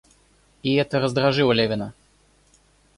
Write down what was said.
И эта раздражило Левина.